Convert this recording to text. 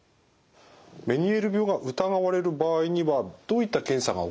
メニエール病が疑われる場合にはどういった検査が行われますか？